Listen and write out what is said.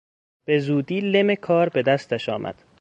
به زودی لم کار به دستش آمد.